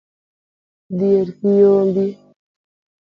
Dhier kiyombi